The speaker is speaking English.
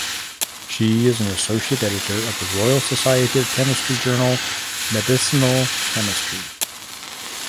She is an Associate Editor of the Royal Society of Chemistry journal "Medicinal Chemistry".